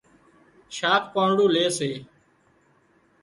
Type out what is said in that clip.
شاک پانڙون لي سي